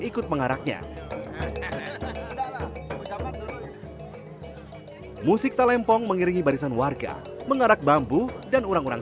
ikut mengaraknya musik talempong mengiringi barisan warga mengarak bambu dan orang orang